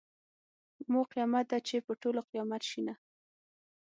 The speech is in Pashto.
په ما قیامت ده چې په ټولو قیامت شینه .